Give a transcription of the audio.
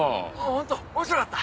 ホント？面白かった？